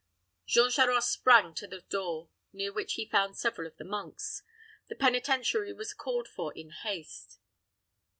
Jean Charost sprang to the door, near which he found several of the monks. The penitentiary was called for in haste.